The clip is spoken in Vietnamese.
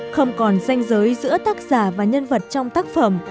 không còn danh giới giữa tác giả và nhân vật trong tác phẩm